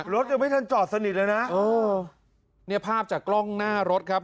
รถยังไม่ทันจอดสนิทเลยนะเออเนี่ยภาพจากกล้องหน้ารถครับ